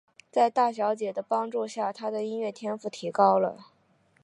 在大小姐的帮助下他的音乐天份提高了。